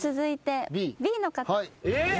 えっ！？